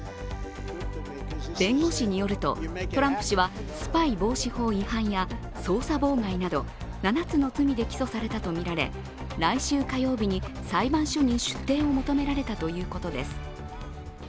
弁護士によるとトランプ氏はスパイ防止法違反や捜査妨害など７つの罪で起訴されたとみられ来週火曜日に裁判所に出廷を求められたということです。